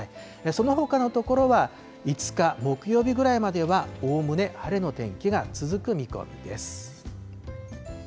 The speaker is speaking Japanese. そのほかの所は、５日木曜日ぐらいまではおおむね晴れの天気が続く見込みです。